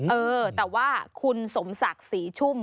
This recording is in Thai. เออแต่ว่าคุณสมศักดิ์ศรีชุ่ม